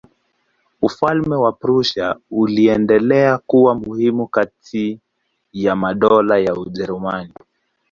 Ufalme wa Prussia uliendelea kuwa muhimu kati ya madola ya Ujerumani.